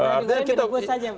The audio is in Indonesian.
dari baru saya tidak buat saja pak